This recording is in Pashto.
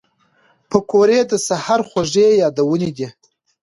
پکورې د سهر خوږې یادونې دي